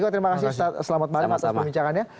terima kasih ustadz selamat malam atas perbincangannya